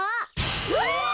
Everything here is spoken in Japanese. うわ！